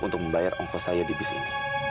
untuk membayar ongkos saya di bis ini